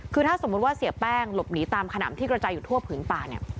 คือถ้าสมมุติว่าเสียแป้งหลบหนีตามขนำที่กระจายอยู่ทั่วผืนป่าเนี่ย